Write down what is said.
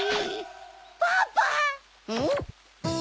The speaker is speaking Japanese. パパ⁉ん？